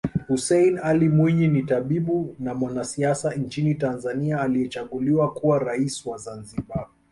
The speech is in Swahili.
Hussein Ali Mwinyi ni tabibu na mwanasiasa nchini Tanzania aliyechaguliwa kuwa rais wa Zanzibar